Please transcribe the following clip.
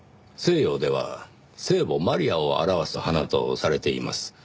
西洋では聖母マリアを表す花とされています。